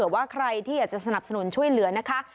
ว่าใครที่อยากจะสนับสนุนช่วยเหลือนะคะ